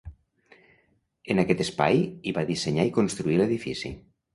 En aquest espai hi va dissenyar i construir l'edifici.